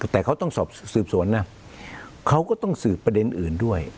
แต่เขาต้องสอบสืบสวนนะเขาก็ต้องสืบประเด็นอื่นด้วย